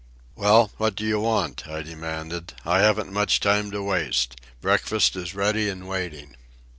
"Well, what do you want?" I demanded. "I haven't much time to waste. Breakfast is ready and waiting."